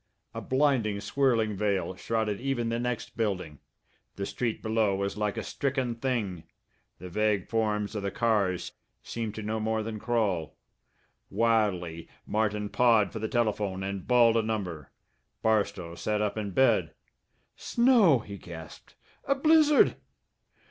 A blinding, swirling veil shrouded even the next building. The street below was like a stricken thing; the vague forms of the cars seemed to no more than crawl. Wildly Martin pawed for the telephone and bawled a number. Barstow sat up in bed. "Snow!" he gasped. "A blizzard!"